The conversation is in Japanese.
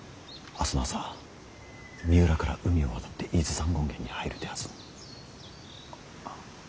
明日の朝三浦から海を渡って伊豆山権現に入る手はずに。